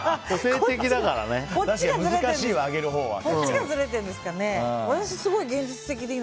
こっちがずれてるんですかね。